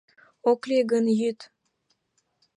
Ок лий гын йӱд